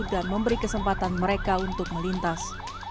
dan memberi kesempatan mereka untuk melintas